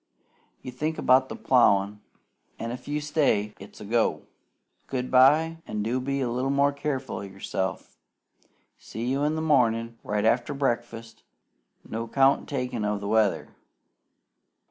You think about the plowin', an', if you say `stay,' it's a go! Good bye; an' do be a little more careful o' yourself. See you in the mornin', right after breakfast, no count taken o' the weather."